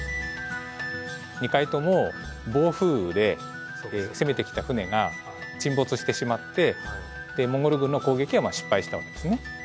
２回とも暴風雨で攻めてきた船が沈没してしまってモンゴル軍の攻撃は失敗したわけですね。